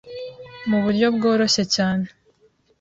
mu buryo bworoshye. cyane